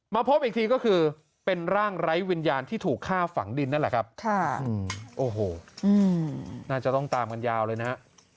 พบอีกทีก็คือเป็นร่างไร้วิญญาณที่ถูกฆ่าฝังดินนั่นแหละครับโอ้โหน่าจะต้องตามกันยาวเลยนะฮะ